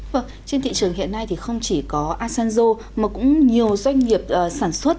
vâng trên thị trường hiện nay thì không chỉ có asanzo mà cũng nhiều doanh nghiệp sản xuất